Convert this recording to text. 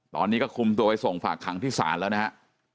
ตอนนี้ก็คุมตัวไปส่งฝากขังที่ศาลแล้วนะฮะ